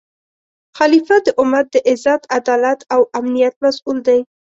خلیفه د امت د عزت، عدالت او امنیت مسؤل دی